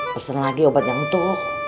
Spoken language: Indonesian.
pesen lagi obat yang utuh